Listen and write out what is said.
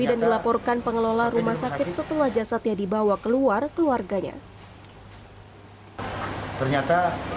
dan dilaporkan pengelola rumah sakit setelah jasad yang dibawa keluar keluarganya ternyata